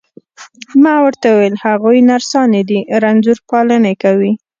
ما ورته وویل: هغوی نرسانې دي، رنځور پالني کوي.